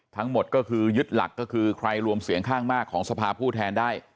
ทั้งหมดก็คือยึดหลักก็คือใครรวมเสียงข้างมากของสภาผู้แทนได้